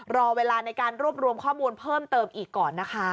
รอเวลาในการรวบรวมข้อมูลเพิ่มเติมอีกก่อนนะคะ